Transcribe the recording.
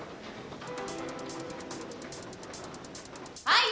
はい。